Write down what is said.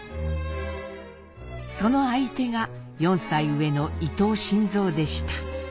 その相手が４歳上の伊藤新造でした。